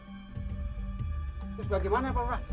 terus bagaimana balurah